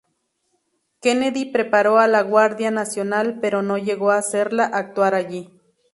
Kennedy preparó a la Guardia nacional pero no llegó a hacerla actuar allí.